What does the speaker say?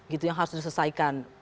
gitu yang harus diselesaikan